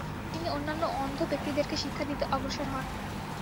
তিনি অন্যান্য অন্ধ ব্যক্তিদেরকে শিক্ষা দিতে অগ্রসর হন।